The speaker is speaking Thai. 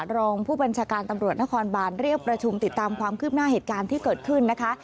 รองผู้บัญชาการตำรวจนครบานเรียกประชุมติดตามความคืบหน้าเหตุการณ์ที่เกิดขึ้นนะคะ